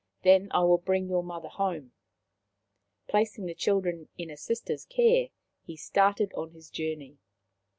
Then I will bring your mother home." Placing the children in a sister's care, he started on his journey.